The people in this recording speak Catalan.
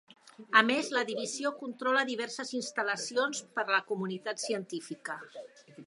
A més, la divisió controla diverses instal·lacions per a la comunitat científica.